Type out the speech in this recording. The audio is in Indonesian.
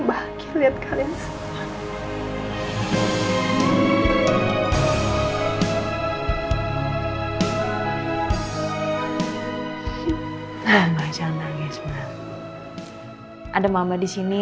ada mama disini